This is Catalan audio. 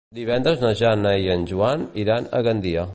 Divendres na Jana i en Joan iran a Gandia.